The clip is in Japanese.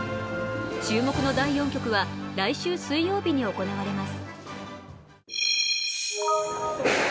注目の第４局は来週水曜日に行われます。